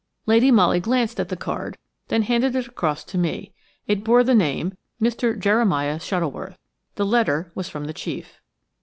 Lady Molly glanced at the card, then handed it across to me. It bore the name: Mr. Jeremiah Shuttleworth. The letter was from the chief.